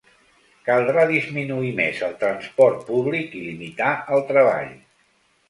Caldrà disminuir més el transport públic i limitar el treball.